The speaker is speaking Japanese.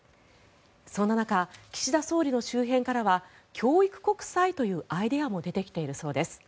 そんな中、岸田総理の周辺からは教育国債というアイデアも出てきているそうです。